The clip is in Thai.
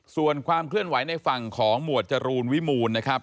ส่วนความเคลื่อนไหวในฝั่งของหมวดจรูลวิมูลนะครับ